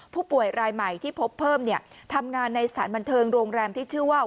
ผู้ป่วยรายใหม่ที่พบเพิ่มเนี่ยทำงานในสถานบันเทิงโรงแรมที่ชื่อว่า